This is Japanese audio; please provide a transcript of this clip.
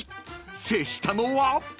［制したのは］